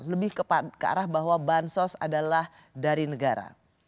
lebih ke arah bahwa bansos adalah dari negara